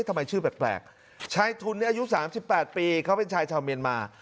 ทำไมชื่อแปลกชายทุนนี่อายุ๓๘ปีเขาเป็นชายชาวเมียนมา